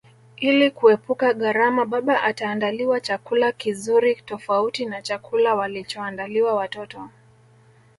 Ili kuepuka gharama baba ataandaliwa chakula kizuri tofauti na chakula walichoandaliwa watoto